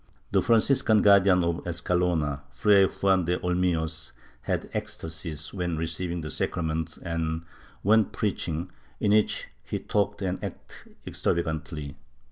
The Franciscan Guardian of Escalona, Fray Juan de Olmillos, had ecstasies when receiving the sacrament and when preaching, in which he talked and acted extravagantly.